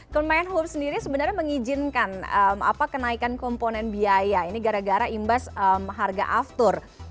kemenhub sendiri sebenarnya mengizinkan kenaikan komponen biaya ini gara gara imbas harga aftur